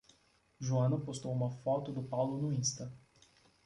Joana postou uma foto do Paulo no Insta